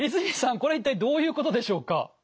これ一体どういうことでしょうか？